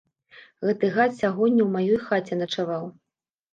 Гэты гад сягоння ў маёй хаце начаваў.